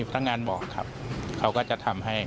รอว่าจะได้ชิวฉีดละมาไหน